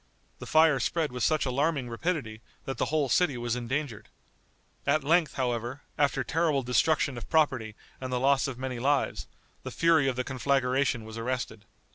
The fire spread with such alarming rapidity that the whole city was endangered. At length, however, after terrible destruction of property and the loss of many lives, the fury of the conflagration was arrested.